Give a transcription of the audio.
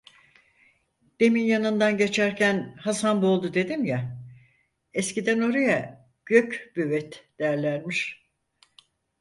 Demin yanından geçerken Hasanboğuldu dedim ya, eskiden oraya Gök Büvet derlermiş.